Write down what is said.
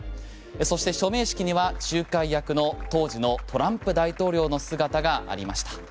そして署名式には仲介役の当時のトランプ大統領の姿がありました。